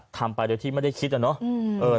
ทำไปด้วยที่ไม่ได้คิดแล้วเนอะ